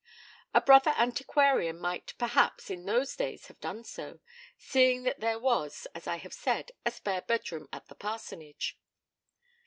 A brother antiquarian might, perhaps, in those days have done so, seeing that there was, as I have said, a spare bedroom at the parsonage.